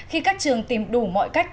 khi các trường tìm đủ mọi cách